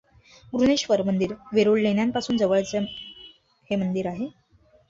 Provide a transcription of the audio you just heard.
घृष्णेश्वर मंदिर वेरूळ लेण्यांपासून जवळच हे मंदिर आहे.